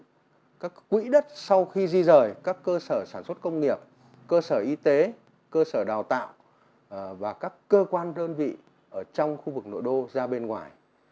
theo cái quyết định đó thì thủ tướng có giao các cơ sở sản xuất công nghiệp cơ sở y tế cơ sở đào tạo và các cơ quan đơn vị ở trong khu vực nội đô ra bên ngoài